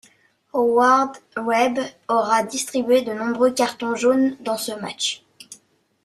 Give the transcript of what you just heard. Howard Webb aura distribué de nombreux cartons jaunes dans ce match.